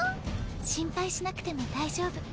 心配しなくても大丈夫。